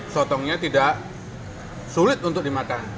sotongnya tidak sulit untuk dimakan